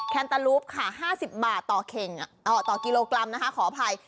แนตาลูปค่ะ๕๐บาทต่อกิโลกรัมนะคะขออภัย